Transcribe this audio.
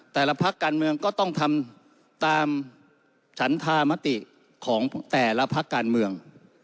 แต่ละพักการเมืองก็ต้องทำตามฉันธามติของแต่ละพักการเมือง